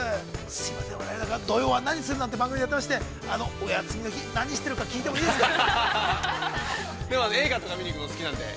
すいません、「土曜はナニする！？」なんて番組をやっていまして、お休みの日、何してるか聞いてもいいですか。